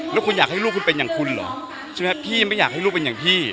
แล้วคุณอยากให้ลูกคุณเป็นอย่างคุณเหรอใช่ไหมพี่ไม่อยากให้ลูกเป็นอย่างพี่